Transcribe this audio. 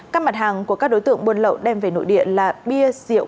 các mặt hàng của các đối tượng buôn lậu đem về nội địa là bia rượu